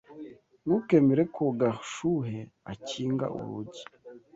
Ntukemere ko Gashuhe akinga urugi.